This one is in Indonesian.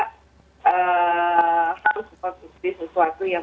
harus mengonsumsi sesuatu yang